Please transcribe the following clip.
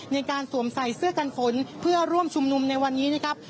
ในการสวมใส่เสื้อกันฝนเพื่อร่วมชุมนุมในวันนี้นะครับ